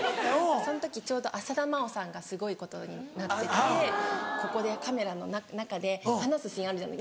その時ちょうど浅田真央さんがすごいことになっててここでカメラの中で話すシーンあるじゃない。